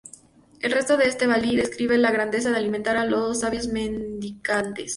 El resto de este vali describe la grandeza de alimentar a los sabios mendicantes.